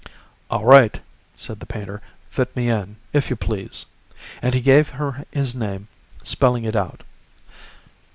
"All right," said the painter, "fit me in, if you please." And he gave her his name, spelling it out.